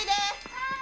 はい！